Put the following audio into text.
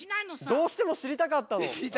どうしてもしりたかったの。